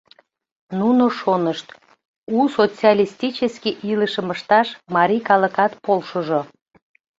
Нуно шонышт: «У, социалистический илышым ышташ марий калыкат полшыжо».